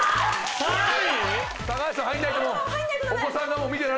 ３位！？